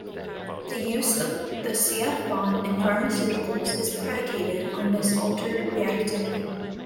The use of the C-F bond in pharmaceuticals is predicated on this altered reactivity.